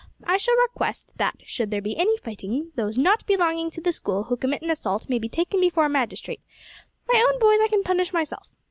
I shall request that, should there be any fighting, those not belonging to the School who commit an assault may be taken before a magistrate; my own boys I can punish myself.